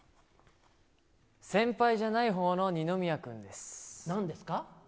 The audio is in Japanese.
先輩じゃないほうの二宮君でなんですか？